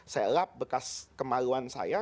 saya lap bekas kemaluan saya